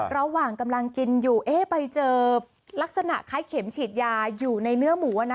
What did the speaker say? ระหว่างกำลังกินอยู่ไปเจอลักษณะคล้ายเข็มฉีดยาอยู่ในเนื้อหมู